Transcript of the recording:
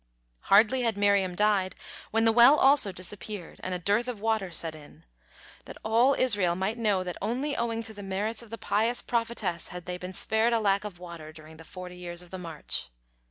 Hardly had Miriam died, when the well also disappeared and a dearth of water set in, that all Israel might know that only owing to the merits of the pious prophetess had they been spared a lack of water during the forty years of the march.